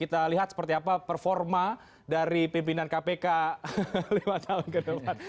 kita lihat seperti apa performa dari pimpinan kpk lima tahun ke depan